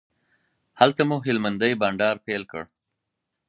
هلته مو هلمندی بانډار پیل کړ.